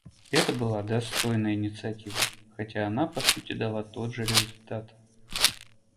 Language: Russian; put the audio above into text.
Это была достойная инициатива, хотя она, по сути, дала тот же результат.